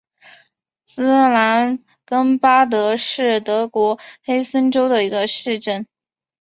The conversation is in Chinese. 施兰根巴德是德国黑森州的一个市镇。